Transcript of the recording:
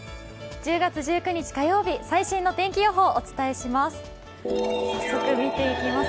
１０月１９日火曜日、最新の天気予報お伝えします。